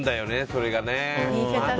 それがね。